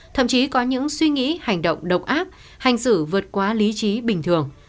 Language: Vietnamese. thậm chí có những suy nghĩ hành động độc áp hành xử vượt qua lý trí bình thường